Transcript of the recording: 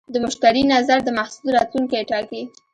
د مشتری نظر د محصول راتلونکی ټاکي.